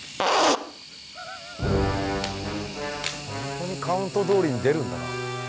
本当にカウントどおりに出るんだな。